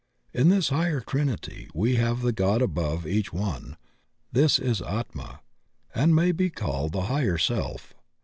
In this higher Trinity, we have the God above each one; this is Atma, and may be called the Higher Self.